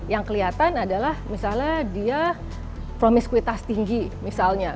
yang kelihatan adalah misalnya dia promiskuitas tinggi misalnya